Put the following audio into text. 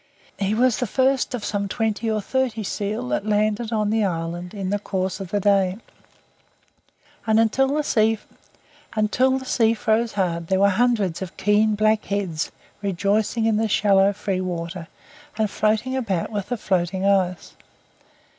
He was the first of some twenty or thirty seal that landed on the island in the course of the day, and till the sea froze hard there were hundreds of keen black heads rejoicing in the shallow free water and floating about with the floating ice.